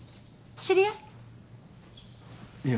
知り合い？